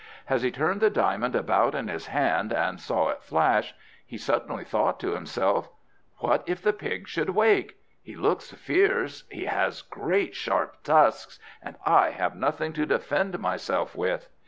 As he turned the diamond about in his hand and saw it flash, he suddenly thought to himself, "What if the pig should wake? He looks fierce, he has great sharp tusks, and I have nothing to defend myself with.